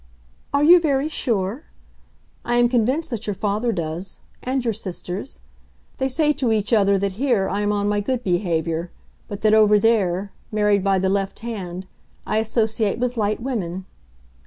"Are you very sure? I am convinced that your father does, and your sisters. They say to each other that here I am on my good behavior, but that over there—married by the left hand—I associate with light women."